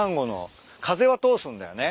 風は通すんだよね。